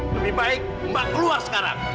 lebih baik mbak keluar sekarang